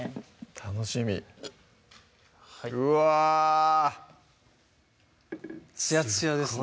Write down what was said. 楽しみうわつやつやですね